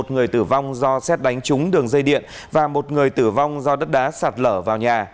một người tử vong do xét đánh trúng đường dây điện và một người tử vong do đất đá sạt lở vào nhà